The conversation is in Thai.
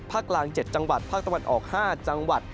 กลาง๗จังหวัดภาคตะวันออก๕จังหวัด